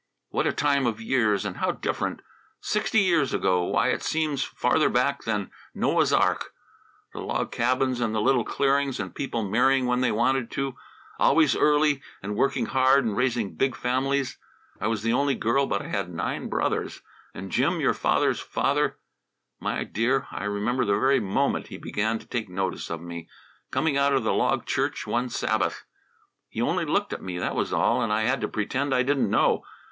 "What a time of years, and how different! Sixty years ago why, it seems farther back than Noah's ark. The log cabins in the little clearings, and people marrying when they wanted to always early, and working hard and raising big families. I was the only girl, but I had nine brothers. And Jim, your father's father, my dear, I remember the very moment he began to take notice of me, coming out of the log church one Sabbath. He only looked at me, that was all, and I had to pretend I didn't know.